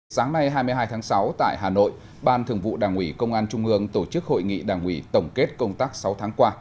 sáng nay hai mươi hai tháng sáu tại hà nội ban thường vụ đảng ủy công an trung ương tổ chức hội nghị đảng ủy tổng kết công tác sáu tháng qua